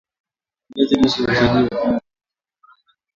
viazi lishe husaidia mfumo wa ukuaji bora